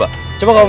reto barang baru